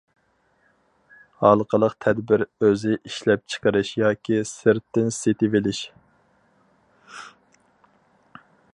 ھالقىلىق تەدبىر ئۆزى ئىشلەپچىقىرىش ياكى سىرتتىن سېتىۋېلىش.